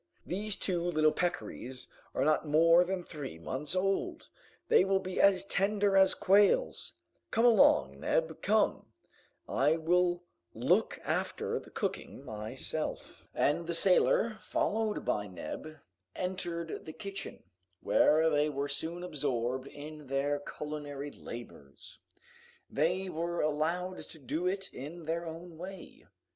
These two little peccaries are not more than three months old! They will be as tender as quails! Come along, Neb, come! I will look after the cooking myself." And the sailor, followed by Neb, entered the kitchen, where they were soon absorbed in their culinary labors. They were allowed to do it in their own way.